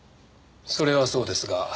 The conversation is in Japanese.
それはそうですが。